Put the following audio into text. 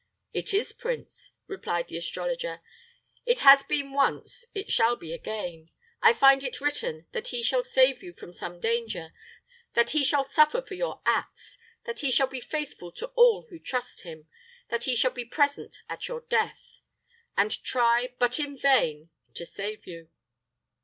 "It is, prince," replied the astrologer. "It has been once; it shall be again. I find it written that he shall save you from some danger; that he shall suffer for your acts; that he shall be faithful to all who trust him; that he shall be present at your death; and try, but try in vain, to save you."